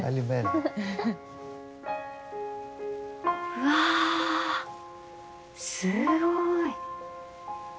うわすごい。